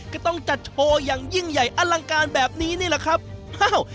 ก็ต้องจัดโชว์อย่างยิ่งใหญ่อลังการแบบนี้นี่แหละครับอ้าว